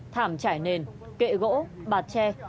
thảm chải nền kệ gỗ bạt tre